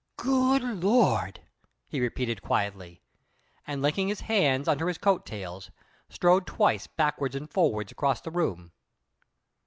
"Good Lord!" he repeated quietly, and, linking his hands under his coat tails, strode twice backwards and forwards across the room.